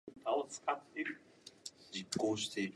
It had a black line threaded through it.